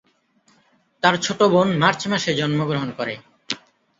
তার ছোট বোন মার্চ মাসে জন্মগ্রহণ করে।